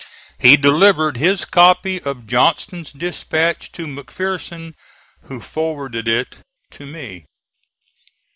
He delivered his copy of Johnston's dispatch to McPherson who forwarded it to me.